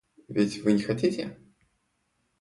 Ведь вы не хотите?